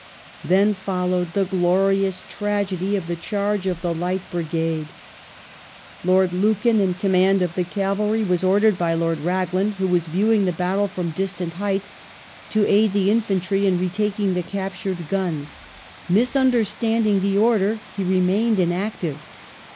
Then followed the glorious tragedy of the charge of the Light Brigade. Lord Lucan, in command of the cavalry, was ordered by Lord Raglan, who was viewing the battle from distant heights, to aid the infantry in retaking the captured guns. Mis undei standing the order, he remained inactive.